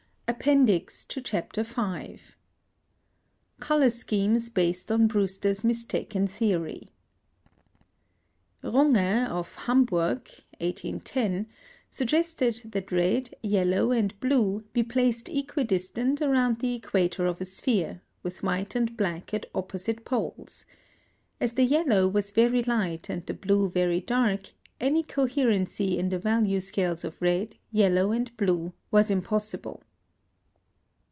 APPENDIX TO CHAPTER V. +Color schemes based on Brewster's mistaken theory.+ Runge, of Hamburg (1810), suggested that red, yellow, and blue be placed equidistant around the equator of a sphere, with white and black at opposite poles. As the yellow was very light and the blue very dark, any coherency in the value scales of red, yellow, and blue was impossible.